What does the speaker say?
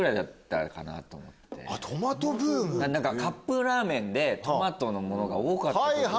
カップラーメンでトマトのものが多かったような。